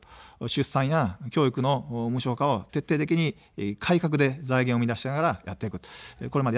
出産や教育の無償化を徹底的に改革で財源を生み出しながらやってきました。